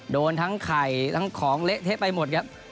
โดนทั้งไข่ทั้งของเละเทะไปหมดครับ